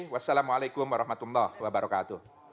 wassalamu'alaikum warahmatullahi wabarakatuh